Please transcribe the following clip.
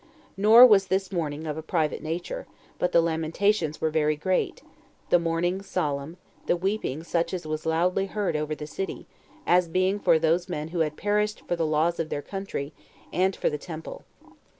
Nor was this mourning of a private nature, but the lamentations were very great, the mourning solemn, and the weeping such as was loudly heard all over the city, as being for those men who had perished for the laws of their country, and for the temple.